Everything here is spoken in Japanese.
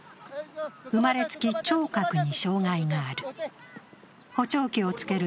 生まれつき聴覚に障害がある。